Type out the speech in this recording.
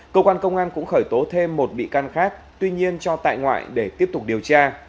cơ quan công an cũng khởi tố thêm một bị can khác tuy nhiên cho tại ngoại để tiếp tục điều tra